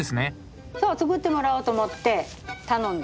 そう作ってもらおうと思って頼んだ。